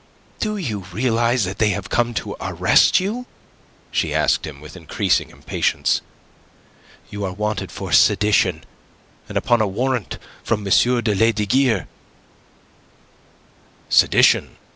"Do you realize that they have come to arrest you?" she asked him, with increasing impatience. "You are wanted for sedition, and upon a warrant from M. de Lesdiguieres." "Sedition?"